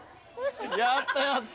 やったやった！